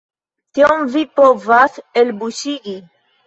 Tion vi povas elbuŝigi!